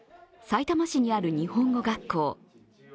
さいたま市にある日本語学校。